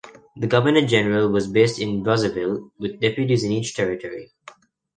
The Governor-General was based in Brazzaville with deputies in each territory.